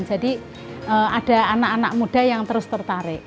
jadi ada anak anak muda yang terus tertarik